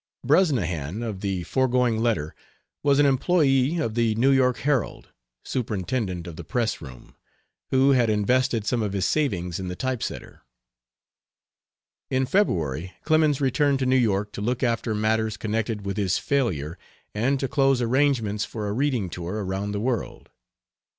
"Brusnahan," of the foregoing letter, was an employee of the New York Herald, superintendent of the press room who had invested some of his savings in the type setter. In February Clemens returned to New York to look after matters connected with his failure and to close arrangements for a reading tour around the world.